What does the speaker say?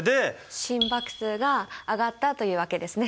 心拍数が上がったというわけですね